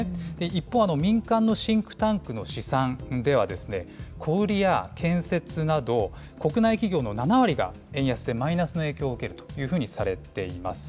一方、民間のシンクタンクの試算では、小売りや建設など、国内企業の７割が、円安でマイナスの影響を受けるというふうにされています。